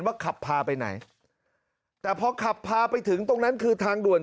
ขับพาไปไหนแต่พอขับพาไปถึงตรงนั้นคือทางด่วน